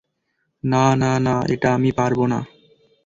না না না এটা আমি পারবো না।